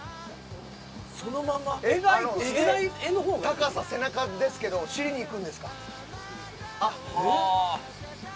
高さ、背中ですけど尻にいくんですか？